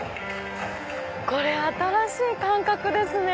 これ新しい感覚ですね。